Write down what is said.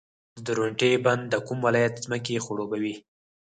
د درونټې بند د کوم ولایت ځمکې خړوبوي؟